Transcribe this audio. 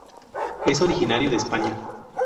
Es originario de España.